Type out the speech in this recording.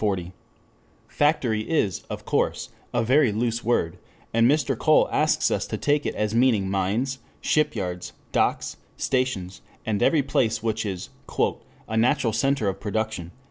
40.] Factory is, of course, a very loose word, and Mr. Cole asks us to take it as meaning mines, shipyards, docks, stations, and every place which is "a natural center of production."